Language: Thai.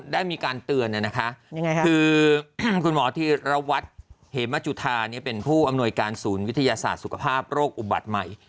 ได้มีการเตือนนะคะคือคุณผู้อำนวยการศูนย์วิทยาศาสตร์สุขภาพโรคอุบัติใหม่